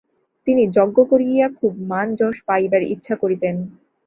তিনি যজ্ঞ করিয়া খুব মান-যশ পাইবার ইচ্ছা করিতেন।